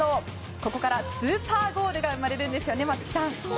ここからスーパーゴールが生まれるんですね、松木さん。